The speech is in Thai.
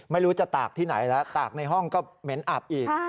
ไม่รู้จะตากที่ไหนแล้วตากในห้องก็เหม็นอับอีก